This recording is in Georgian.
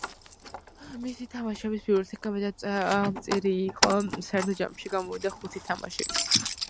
მისი თამაშების ბიბლიოთეკა მეტად მწირი იყო, საერთო ჯამში გამოვიდა ხუთი თამაში.